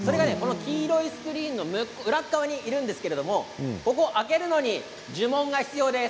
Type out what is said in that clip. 黄色いスクリーンの向こう側にいるんですが開けるのに呪文が必要です。